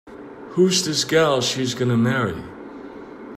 Who's this gal she's gonna marry?